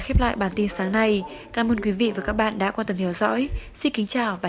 khép lại bản tin sáng nay cảm ơn quý vị và các bạn đã quan tâm theo dõi xin kính chào và hẹn gặp lại